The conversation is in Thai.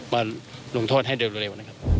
มาลงโทษให้เร็วนะครับ